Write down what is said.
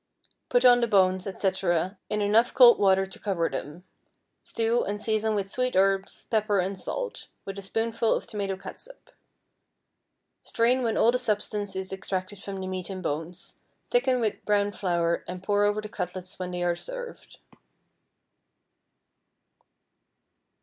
Put on the bones, etc., in enough cold water to cover them; stew, and season with sweet herbs, pepper, and salt, with a spoonful of tomato catsup. Strain when all the substance is extracted from the meat and bones; thicken with browned flour, and pour over the cutlets when they are served.